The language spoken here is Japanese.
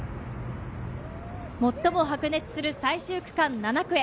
最も白熱する最終区間・７区へ。